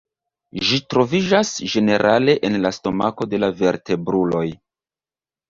Ĝi troviĝas ĝenerale en la stomako de la vertebruloj.